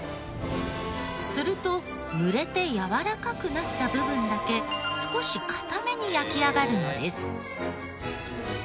するとぬれてやわらかくなった部分だけ少し硬めに焼き上がるのです。